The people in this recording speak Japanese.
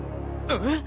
えっ！？